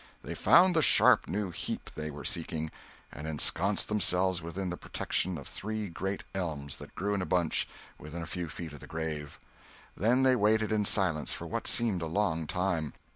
They found the sharp new heap they were seeking, and ensconced themselves within the protection of three great elms that grew in a bunch within a few feet of the grave. Then they waited in silence for what seemed a long time.